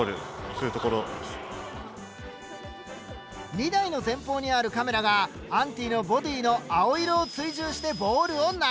２台の前方にあるカメラがアンティのボディーの青色を追従してボールを投げる。